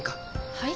はい？